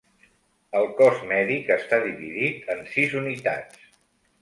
El Cos Mèdic està dividit en sis unitats.